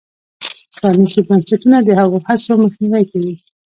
پرانیستي بنسټونه د هغو هڅو مخنیوی کوي.